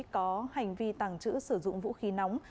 có hành vi tàng trữ sử dụng vũ khí nóng